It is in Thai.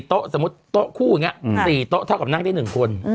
สมมุติโต๊ะคู่อย่างนี้๔โต๊ะเท่ากับนั่งได้๑คน